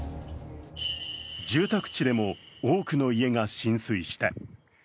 住宅地でも多くの家が浸水した。